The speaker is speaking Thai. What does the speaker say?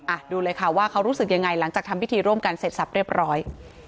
ดูเลยค่ะว่าเขารู้สึกยังไงหลังจากทำพิธีร่วมกันเสร็จสับเรียบร้อย